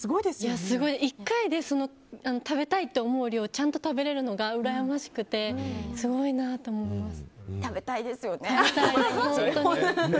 １回で食べたいって思う量ちゃんと食べれるのがうらやましくてすごいなって思います。